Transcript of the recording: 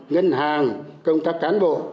ngân hàng công tác cán bộ